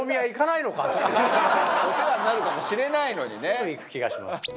すぐ行く気がします。